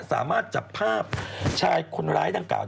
สามารถจับภาพชายคนร้ายดังกล่าว